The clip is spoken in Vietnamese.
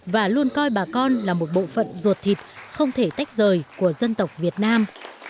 và luôn coi bà con là một bộ phận ruột thịt không thể tách rời của dân tộc việt nam